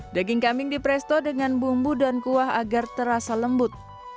daging kambing dipresto dengan bumbu dan kuah agar terasa lembut